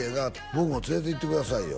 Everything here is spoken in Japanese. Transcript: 「僕も連れていってくださいよ」